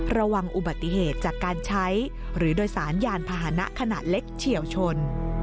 ระวังอุบัติเหตุจากการใช้หรือโดยสารยานพาหนะขนาดเล็กเฉียวชน